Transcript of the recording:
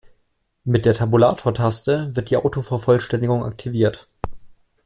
Mit der Tabulatortaste wird die Autovervollständigung aktiviert.